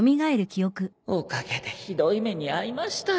おかげでひどい目に遭いましたよ